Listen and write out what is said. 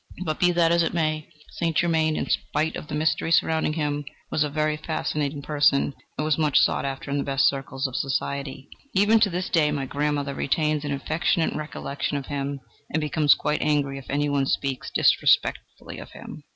But be that as it may, St. Germain, in spite of the mystery surrounding him, was a very fascinating person, and was much sought after in the best circles of society. Even to this day my grandmother retains an affectionate recollection of him, and becomes quite angry if any one speaks disrespectfully of him.